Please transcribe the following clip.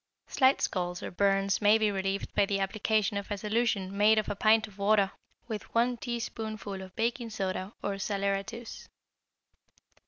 Slight scalds or burns may be relieved by the application of a solution made of a pint of water with one teaspoonful of baking soda or saleratus.